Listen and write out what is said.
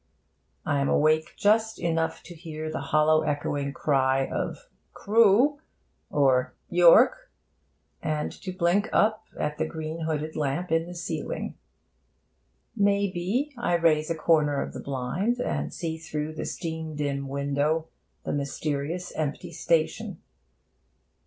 I am awake just enough to hear the hollow echoing cry of 'Crewe' or 'York,' and to blink up at the green hooded lamp in the ceiling. May be, I raise a corner of the blind, and see through the steam dim window the mysterious, empty station.